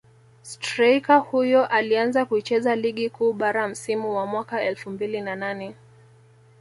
Streika huyo alianza kuicheza Ligi Kuu Bara msimu wa mwaka elfu mbili na nane